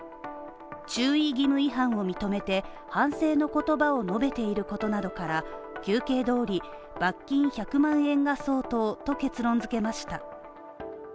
注意義務違反を認めて反省の言葉を述べていることなどから、求刑通り罰金１００万円が相当と結論付けました。